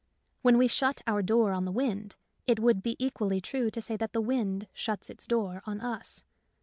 When we shut our door on the wind, it would be equally true to say that the wind shuts its door on us.